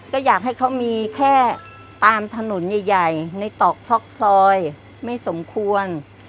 ก็อยากให้เขามีแค่ตามถนนใหญ่ในตอกซอกซอยไม่สมควร